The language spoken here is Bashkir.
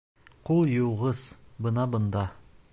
Ҡул йыуғыс бына бында.